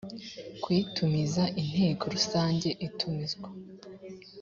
kuyitumiza inteko rusange itumizwa